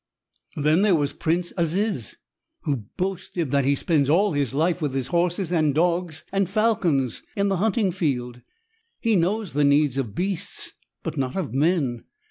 "Then there was Prince Aziz who boasted that he spends all his life with his horses and dogs and falcons in the hunting field. He knows the needs of beasts, but not of men.